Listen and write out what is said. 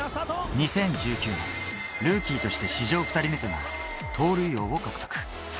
２０１９年、ルーキーとして史上２人目となる盗塁王を獲得。